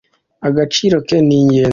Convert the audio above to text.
agaciro ke ningenzi.